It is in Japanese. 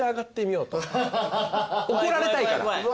怒られたいから。